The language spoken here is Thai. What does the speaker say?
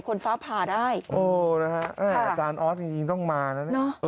คนฟ้าพาได้โอ้นะคะอาการออสจริงต้องมานะ